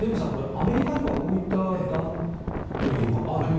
アメリカにはこういった団というのはありますか。